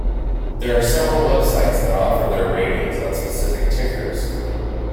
There are several websites that offer their ratings on specific tickers.